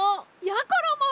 やころも！